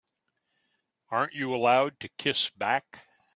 Aren't you allowed to kiss back?